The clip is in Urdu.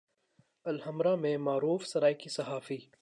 الحمرا میں معروف سرائیکی صحافی